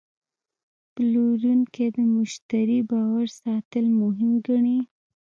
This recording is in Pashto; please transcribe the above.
پلورونکی د مشتری باور ساتل مهم ګڼي.